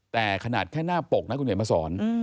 แต่ขนาดแค่หน้าปกนะคุณเห็นมาสอน